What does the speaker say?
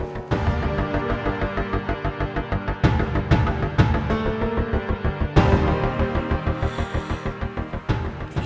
ya bener put